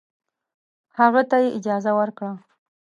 هغه ته یې اجازه ورکړه.